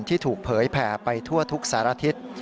ที่ถูกเผยแผ่ไปทั่วทุกสารทิศ